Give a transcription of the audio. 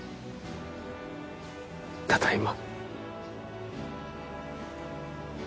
ただいま。